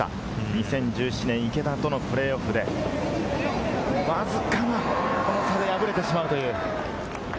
２０１７年、池田とのプレーオフでわずかな差で敗れてしまう。